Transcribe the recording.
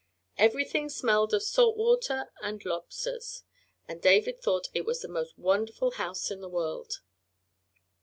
Everything smelled of salt water and lobsters, and David thought it was the most wonderful house in the world.